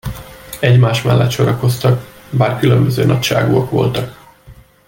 Egymás mellett sorakoztak, bár különböző nagyságúak voltak.